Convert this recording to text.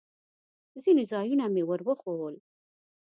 ځینې ځایونه مې ور وښوول.